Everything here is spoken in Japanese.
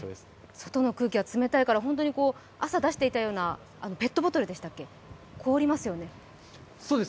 外の空気は冷たいから、本当に朝出していたようなペットボトル、凍りますよね。